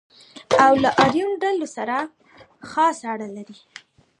او له آریون ډلو سره خاصه اړه لري.